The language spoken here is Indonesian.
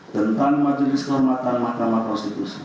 tentang majelis kehormatan